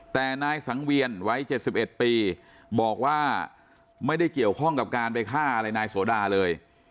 แต่นายสังเวียนวัย๗๑ปีบอกว่าไม่ได้เกี่ยวข้องกับการไปฆ่าอะไรนายโสดาเลย